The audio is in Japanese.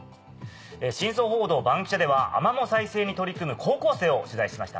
『真相報道バンキシャ！』ではアマモ再生に取り組む高校生を取材しました。